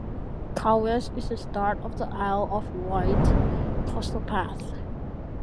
Cowes is the start of the Isle of Wight Coastal Path.